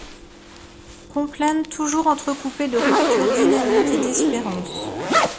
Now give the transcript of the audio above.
Complaintes toujours entrecoupées de ruptures dynamiques et d'espérance.